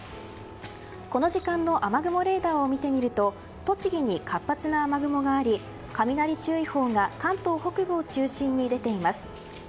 この時間の雨雲レーダーを見てみると栃木に活発な雨雲があり雷注意報が関東北部を中心に出ています。